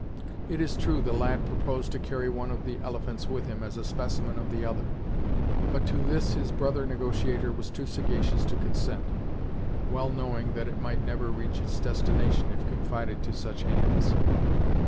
It is true the lad proposed to carry one of the elephants with him, as a specimen of the other, but to this his brother negotiator was too sagacious to consent; well knowing that it might never reach its destination if confided to such hands.